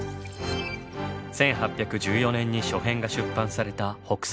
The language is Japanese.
１８１４年に初編が出版された「北斎漫画」。